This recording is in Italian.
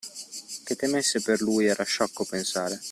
Che temesse per lui era sciocco pensare.